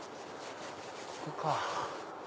ここか。